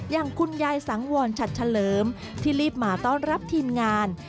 อย่างคุณยายสังวรชัดเฉลิมที่รีบมาต้อนรับทีมงาน